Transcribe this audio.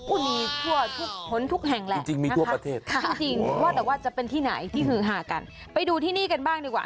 อุ๊ยนี่ทั่วทุกแห่งแหละนะคะจริงว่าจะเป็นที่ไหนที่หือหากันไปดูที่นี่กันบ้างดีกว่า